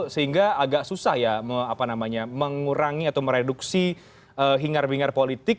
sehingga agak susah ya mengurangi atau mereduksi hingar bingar politik